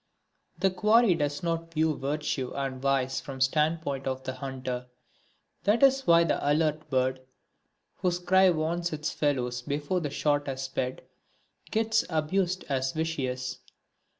The quarry does not view virtue and vice from the standpoint of the hunter. That is why the alert bird, whose cry warns its fellows before the shot has sped, gets abused as vicious.